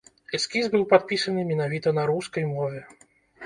Эскіз быў падпісаны менавіта на рускай мове.